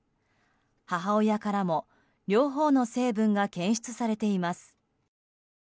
母親からも両方の成分が検出されています。